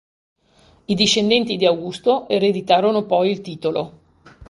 I discendenti di Augusto ereditarono poi il titolo.